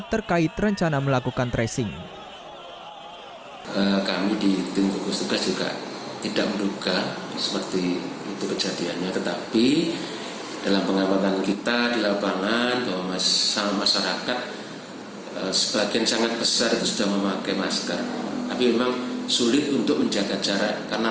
terkait rencana melakukan tresor